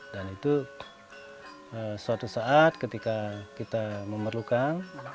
dan itu suatu saat ketika kita memerlukan